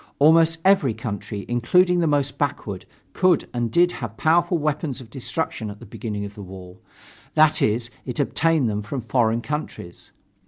Almost every country, including the most backward, could and did have powerful weapons of destruction at the beginning of the war; that is, it obtained them from foreign countries.